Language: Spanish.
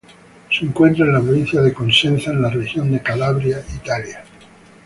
Se encuentra en la provincia de Cosenza en la región de Calabria, Italia.